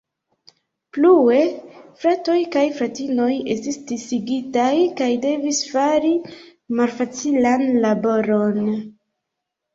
Plue, fratoj kaj fratinoj estis disigitaj kaj devis fari malfacilan laboron.